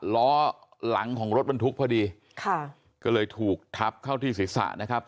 ล้อหลังของรถบรรทุกพอดีค่ะก็เลยถูกทับเข้าที่ศีรษะนะครับ